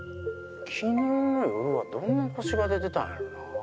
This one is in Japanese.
昨日の夜はどんな星が出てたんやろな。